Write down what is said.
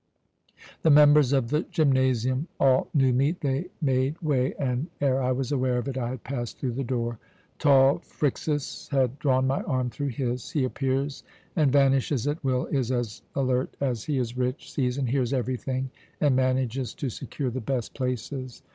"The members of the gymnasium all knew me. They made way and, ere I was aware of it, I had passed through the door. Tall Phryxus had drawn my arm through his. He appears and vanishes at will, is as alert as he is rich, sees and hears everything, and manages to secure the best places.